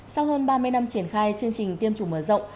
sau hơn ba mươi năm triển khai chương trình tiêm chủng mở rộng